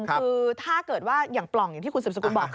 คุณผู้ชมคือถ้าเกิดว่าอย่างปล่องอย่างที่คุณสึกสุดบอก